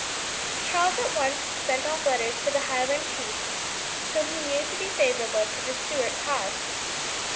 Charles at once sent off letters to the Highland chiefs whom he knew to be favourable to the Stuart cause.